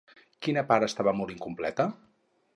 Quina part estava molt incompleta?